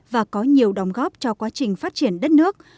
và có nhiều đóng góp cho quá trình phát triển đất nước